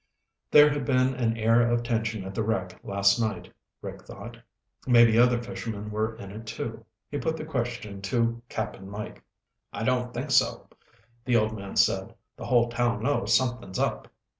There had been an air of tension at the wreck last night, Rick thought. Maybe other fishermen were in it, too. He put the question to Cap'n Mike. "I don't think so," the old man said. "The whole town knows something's up.